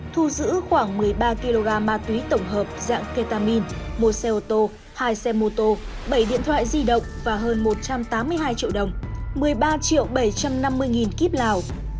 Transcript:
thu giữ khoảng một mươi ba kg ma túy tổng hợp dạng ketamin một xe ô tô hai xe mô tô bảy điện thoại di động và hơn một trăm tám mươi hai triệu đồng một mươi ba triệu bảy trăm năm mươi nghìn kíp lào